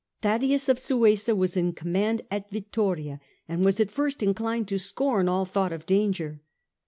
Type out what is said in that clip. Thaddaeus of Suessa was in command at Vittoria and was at first inclined to scorn all thought of danger.